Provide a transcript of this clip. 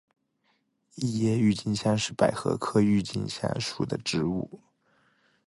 异叶郁金香是百合科郁金香属的植物。